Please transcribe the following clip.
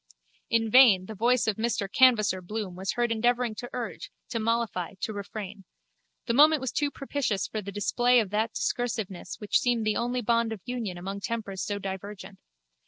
In vain the voice of Mr Canvasser Bloom was heard endeavouring to urge, to mollify, to refrain. The moment was too propitious for the display of that discursiveness which seemed the only bond of union among tempers so divergent.